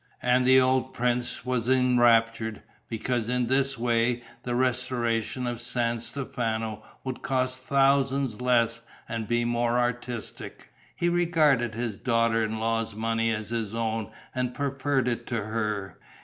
And the old prince was enraptured, because in this way the restoration of San Stefano would cost thousands less and be much more artistic. He regarded his daughter in law's money as his own and preferred it to her.